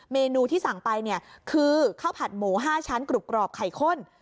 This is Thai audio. เมนูที่สั่งไปเนี่ยคือข้าวผัดหมู๕ชั้นกรุบกรอบไข่ข้น